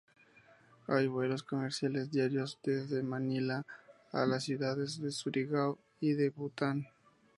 Hay vuelos comerciales diarios desde Manila a las ciudades de Surigao y de Butuan.